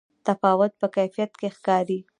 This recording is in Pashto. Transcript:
تفاوت په کیفیت کې ښکاري.